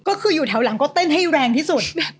ก็คืออยู่แถวหลังก็เต้นให้แรงที่สุด